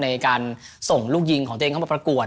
ในการส่งลูกยิงของตัวเองเข้ามาประกวด